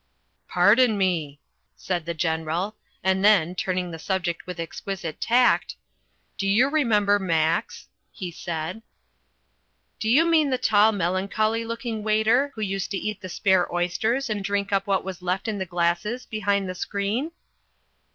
"Pardon me!" said the General, and then, turning the subject with exquisite tact: "Do you remember Max?" he said. "Do you mean the tall melancholy looking waiter, who used to eat the spare oysters and drink up what was left in the glasses, behind the screen?"